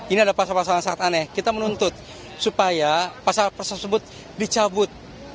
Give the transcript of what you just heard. ini adalah pasal pasal yang sangat aneh kita menuntut supaya pasal pasal tersebut dicabut